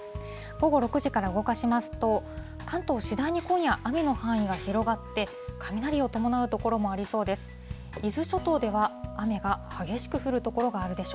午後６時から動かしますと、関東、次第に今夜、雨の範囲が広がって、雷を伴う所もありそうです。